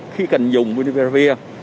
khi cần dùng monopiravir